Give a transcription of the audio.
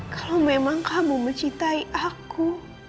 kalau memang kamu mencintai aku